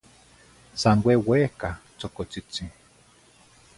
San ueuehca tzocotzitzin